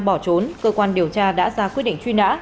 bỏ trốn cơ quan điều tra đã ra quyết định truy nã